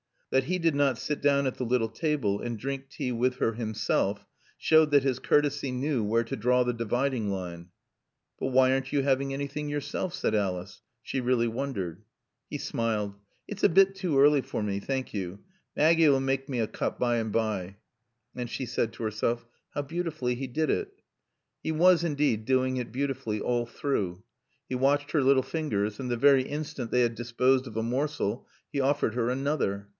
That he did not sit down at the little table and drink tea with her himself showed that his courtesy knew where to draw the dividing line. "But why aren't you having anything yourself?" said Alice. She really wondered. He smiled. "It's a bit too early for me, thank yo'. Maaggie'll mak' me a coop by and bye." And she said to herself, "How beautifully he did it." He was indeed doing it beautifully all through. He watched her little fingers, and the very instant they had disposed of a morsel he offered her another.